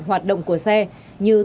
hoạt động của xe như